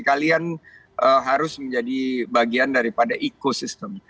kalian harus menjadi bagian daripada ekosistem